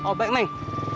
oh baik naik